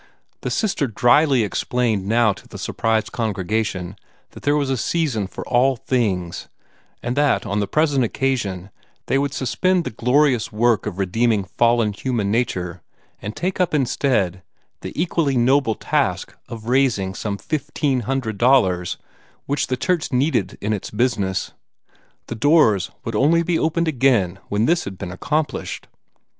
The sister dryly explained now to the surprised congregation that there was a season for all things, and that on the present occasion they would suspend the glorious work of redeeming fallen human nature, and take up instead the equally noble task of raising some fifteen hundred dollars which the church needed in its business. The doors would only be opened again when this had been accomplished.